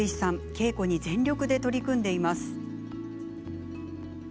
稽古に全力で取り組んでいます。